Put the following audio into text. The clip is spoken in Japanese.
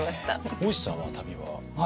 大石さんは旅は？